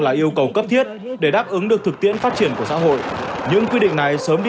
là yêu cầu cấp thiết để đáp ứng được thực tiễn phát triển của xã hội những quy định này sớm đi